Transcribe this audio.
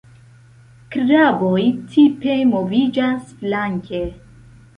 Kraboj tipe moviĝas flanke.